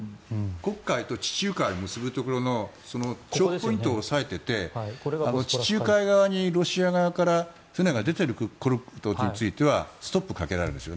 国会と地中海を結ぶところのポイントを押さえていて地中海側から船が出ていることについてはストップをかけられるんです。